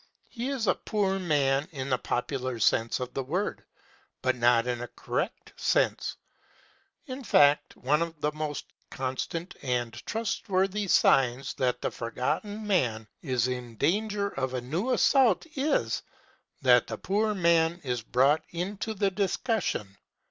He is a "poor" man in the popular sense of the word, but not in a correct sense. In fact, one of the most constant and trustworthy signs that the Forgotten Man is in danger of a new assault is, that "the poor man" is brought into the discussion.